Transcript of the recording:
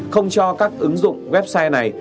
không cho các ứng dụng website này